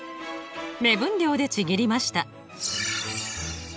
目分量でちぎりました。